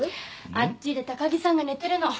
あっちで高木さんが寝てるの。